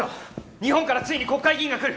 日本からついに国会議員が来る。